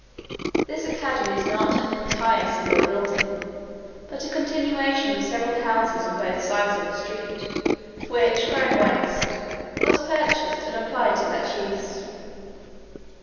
This academy is not an entire single building, but a continuation of several houses on both sides of a street, which growing waste, was purchased and applied to that use.